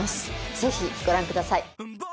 ぜひご覧ください。